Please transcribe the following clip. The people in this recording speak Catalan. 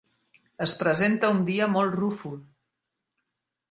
Es presenta un dia molt rúfol.